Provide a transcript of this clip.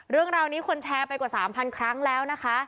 เรื่องราวนี้คนแชร์ไปกว่า๓๐๐ครั้งแล้วนะคะ